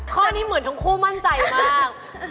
ข้อนี้เหมือนทั้งคู่มั่นใจมาก